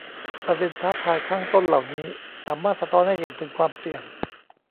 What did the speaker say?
ประเด็นท้าทายข้างต้นเหล่านี้สามารถสะท้อนให้เห็นถึงความเสี่ยง